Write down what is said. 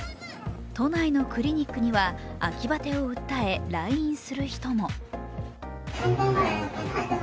都内のクリニックには秋バテを訴え、来院する人も。